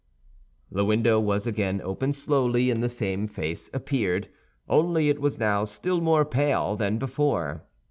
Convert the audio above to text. The window was again opened slowly, and the same face appeared, only it was now still more pale than before.